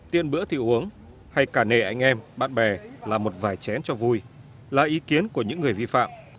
tiên bữa thì uống hay cả nệ anh em bạn bè là một vài chén cho vui là ý kiến của những người vi phạm